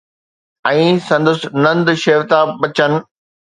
۽ سندس نند شيوتا بچن